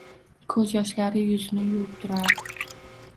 Ko‘zyoshlari yuzini yuvib turardi.